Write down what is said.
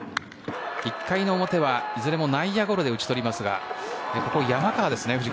１回の表は、いずれも内野ゴロで打ち取りますがここ、山川ですね。